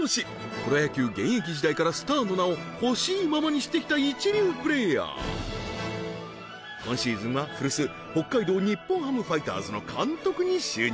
プロ野球現役時代からスターの名を欲しいままにしてきた一流プレーヤー今シーズンは古巣北海道日本ハムファイターズの監督に就任